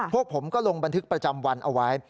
พวกผมก็ลงบันทึกประจำวันเอาไว้